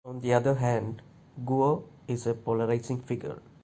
On the other hand, Guo is a polarizing figure.